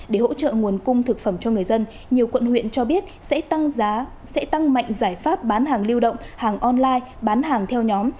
để hỗ trợ nguồn cung thực phẩm cho người dân nhiều quận huyện cho biết sẽ tăng giá sẽ tăng mạnh giải pháp bán hàng lưu động hàng online bán hàng theo nhóm